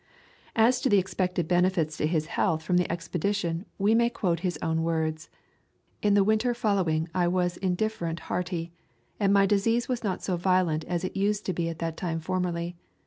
As to the expected benefits to his health from the expedition we may quote his own words: "In the winter following I was indifferent hearty, and my disease was not so violent as it used to be at that time formerly.